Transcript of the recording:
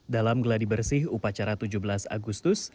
dalam geladi bersih upacara tujuh belas agustus